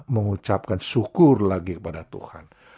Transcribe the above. mengucapkan syukur lagi kepada tuhan